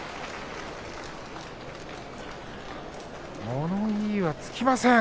物言いはつきません。